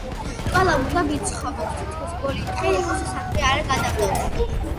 ყველამ უნდა ვიცხოვროთ, თითქოს ბოლო დღე იყოს! საქმე არ გადავდოთ!